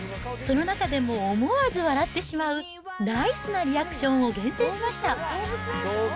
その中でも思わず笑ってしまう、ナイスなリアクションを厳選しました。